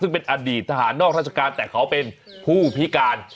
ซึ่งเป็นอดีตทหารนอกราชการแต่เขาเป็นผู้พิการ